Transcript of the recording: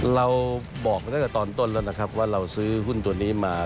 เราบอกตั้งแต่ตอนต้นแล้วนะครับว่าเราซื้อหุ้นตัวนี้มา